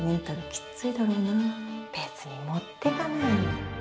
別に持ってかないよ。